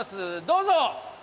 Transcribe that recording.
どうぞ！